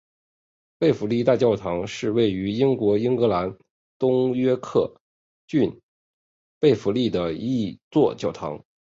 贝弗利大教堂是位于英国英格兰东约克郡贝弗利的一座教堂。